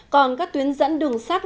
còn các tuyến dẫn đường sát